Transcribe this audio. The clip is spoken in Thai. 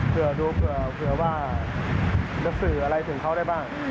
เผื่อดูเผื่อว่าจะสื่ออะไรถึงเขาได้บ้าง